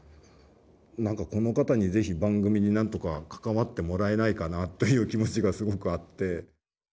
何かこの方に是非番組になんとか関わってもらえないかなという気持ちがすごくあって。